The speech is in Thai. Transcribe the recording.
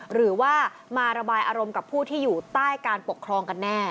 หรือว่ามาระบายอารมณ์กับผู้ที่อยู่ใต้การปกครองกันแน่